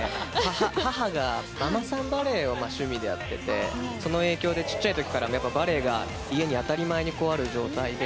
母がママさんバレーを趣味でやっててその影響で小さい時からバレーが家に当たり前にある状態で。